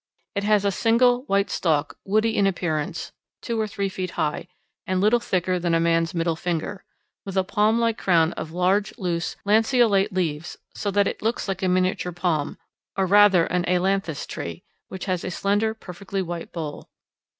It has a single white stalk, woody in appearance, two to three feet high, and little thicker than a man's middle finger, with a palm like crown of large loose lanceolate leaves, so that it looks like a miniature palm, or rather an ailanthus tree, which has a slender perfectly white bole.